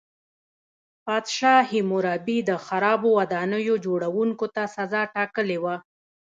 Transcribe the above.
پادشاه هیمورابي د خرابو ودانیو جوړوونکو ته سزا ټاکلې وه.